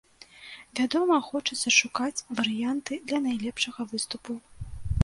Вядома, хочацца шукаць варыянты для найлепшага выступу.